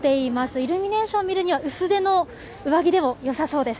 イルミネーション見るには、薄手の上着でもよさそうです。